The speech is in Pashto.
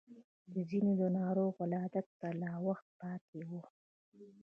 د ځينو د ناروغ ولادت ته لا وخت پاتې و.